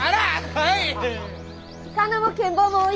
はい！